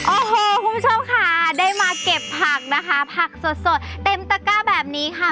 โอ้โหคุณผู้ชมค่ะได้มาเก็บผักนะคะผักสดเต็มตะก้าแบบนี้ค่ะ